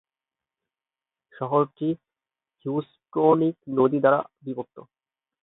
শহরটি হিউসটোনিক নদী দ্বারা বিভক্ত।